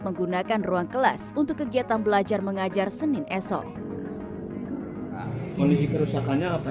menggunakan ruang kelas untuk kegiatan belajar mengajar senin esok kondisi kerusakannya apa